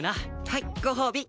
はいご褒美。